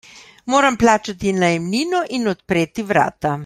Moram plačati najemnino in odpreti vrata.